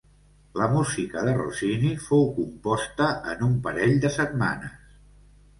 La música de Rossini fou composta en un parell de setmanes.